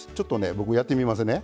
僕やってみますね。